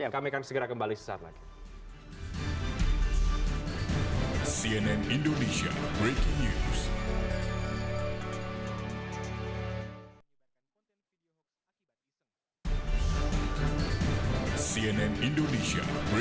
yang kami akan segera kembali sesaat lagi